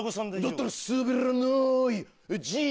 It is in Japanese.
だったらスベらない。